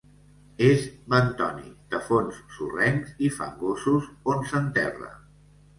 És bentònic de fons sorrencs i fangosos, on s'enterra.